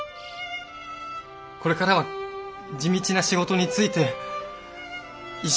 これからは地道な仕事に就いて一生懸命働きます。